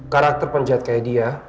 karakter penjahat kayak dia